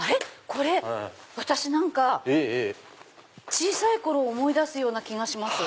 これ私小さい頃を思い出すような気がします。